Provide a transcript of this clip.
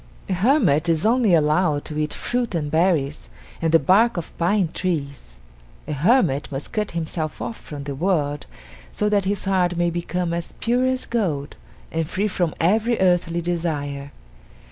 A hermit is only allowed to eat fruit and berries and the bark of pine trees; a hermit must cut himself off from the world so that his heart may become as pure as gold and free from every earthly desire.